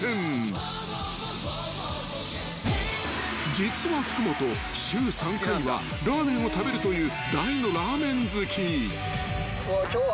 ［実は福本週３回はラーメンを食べるという大の］